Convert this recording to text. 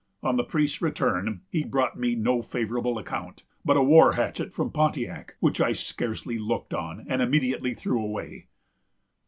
On the priest's return, he brought me no favorable account, but a war hatchet from Pontiac, which I scarcely looked on, and immediately threw away."